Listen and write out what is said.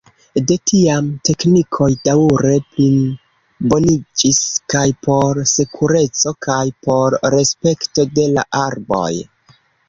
De tiam teknikoj daŭre pliboniĝis kaj por sekureco kaj por respekto de la arboj.